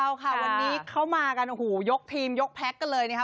วันนี้เข้ามากันยกทีมยกแพ็คกันเลยนะครับ